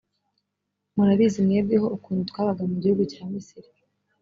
murabizi mwebweho, ukuntu twabaga mu gihugu cya misiri,